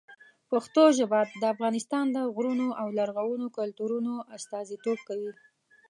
پښتو ژبه د افغانستان د غرونو او لرغونو کلتورونو استازیتوب کوي.